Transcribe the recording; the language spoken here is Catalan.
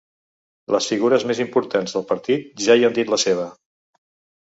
Les figures més importants del partit ja hi han dit la seva.